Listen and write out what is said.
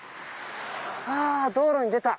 道路に出た。